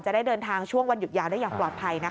ได้เดินทางช่วงวันหยุดยาวได้อย่างปลอดภัยนะคะ